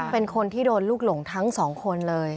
เป็นคนที่โดนลูกหลงทั้งสองคนเลย